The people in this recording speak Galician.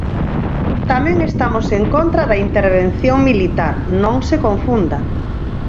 Tamén estamos en contra da intervención militar, non se confunda.